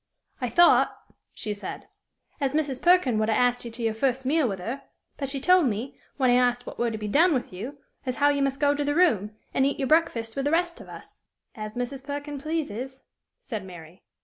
"I thought," she said, "as Mrs. Perkin would 'a' as't you to your first meal with her; but she told me, when I as't what were to be done with you, as how you must go to the room, and eat your breakfast with the rest of us." "As Mrs. Perkin pleases," said Mary.